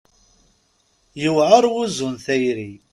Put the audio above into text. Yewɛer wuzzu n tayri.